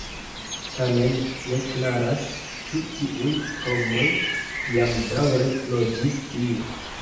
Tamen ne klaras, ĉu tiuj homoj jam daŭre loĝis tie.